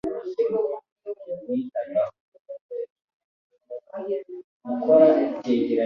Urukundo nyarwo ni urukundo ruramba ruvutse kubireba